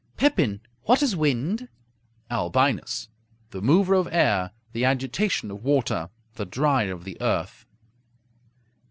Pepin What is wind? Albinus The mover of air; the agitation of water; the dryer of the earth.